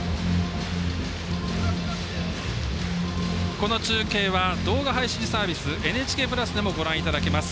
この中継は、動画配信サービスＮＨＫプラスでもご覧いただけます。